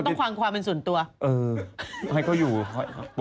ชื่อไอ้จอมพล